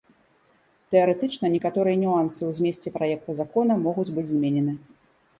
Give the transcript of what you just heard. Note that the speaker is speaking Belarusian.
Тэарэтычна некаторыя нюансы ў змесце праекта закона могуць быць зменены.